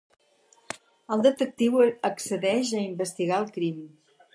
El detectiu accedeix a investigar el crim.